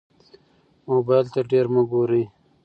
موبایل ته ډېر مه ګورئ.